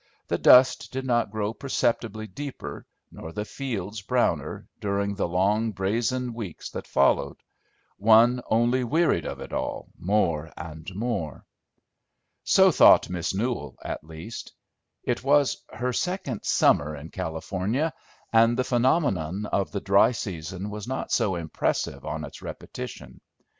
The dust did not grow perceptibly deeper, nor the fields browner, during the long brazen weeks that followed; one only wearied of it all, more and more. So thought Miss Newell, at least. It was her second summer in California, and the phenomenon of the dry season was not so impressive on its repetition.